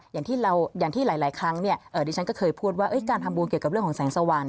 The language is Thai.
อย่างที่หลายครั้งดิฉันก็เคยพูดว่าการทำบุญเกี่ยวกับเรื่องของแสงสว่าง